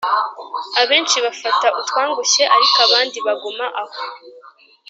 abenshi bafata utwangushye, ariko abandi baguma aho,